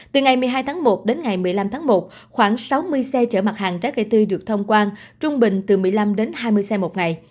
từ ngày một mươi hai tháng một đến ngày một mươi năm tháng một khoảng sáu mươi xe chở mặt hàng trái cây tươi được thông quan trung bình từ một mươi năm đến hai mươi xe một ngày